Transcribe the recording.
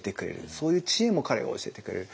そういう知恵も彼が教えてくれる。